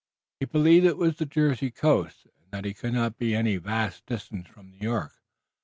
He believed it was the Jersey coast, and that he could not be any vast distance from New York.